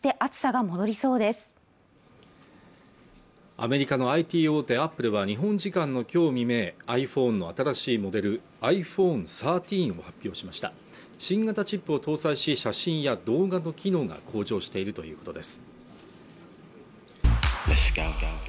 アメリカのＩＴ大手アップルは日本時間のきょう未明ｉＰｈｏｎｅの新しいモデルｉＰｈｏｎｅ１３を発表しました新型チップを搭載し写真や動画の機能が向上しているということです